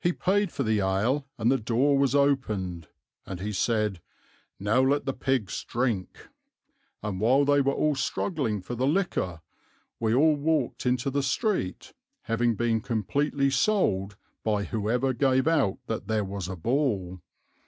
He paid for the ale, and the door was opened, and he said, 'Now let the pigs drink'; and while they were all struggling for the liquor we all walked into the street, having been completely sold by whoever gave out that there was a ball.